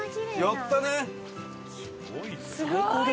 やったね！